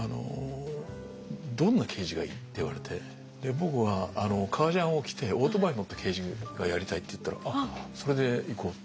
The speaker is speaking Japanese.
「どんな刑事がいい？」って言われてで僕は「革ジャンを着てオートバイに乗った刑事がやりたい」って言ったら「それでいこう」って。